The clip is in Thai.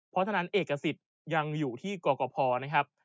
เพราะฉะนั้นเอกสิทธิ์ยังอยู่ที่กรกภนะครับ